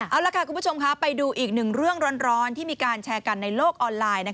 เอาล่ะค่ะคุณผู้ชมค่ะไปดูอีกหนึ่งเรื่องร้อนที่มีการแชร์กันในโลกออนไลน์